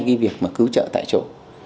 cái việc cứu trợ tại chỗ